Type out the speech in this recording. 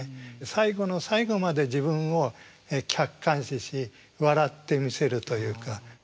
最後の最後まで自分を客観視し笑ってみせるというか。